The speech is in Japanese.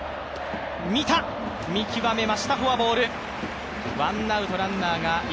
見た、見極めました、フォアボール。